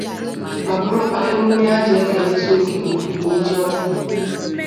ma bụrụkwa emume ha ji ekele Chineke maka onyinye ji ọhụrụ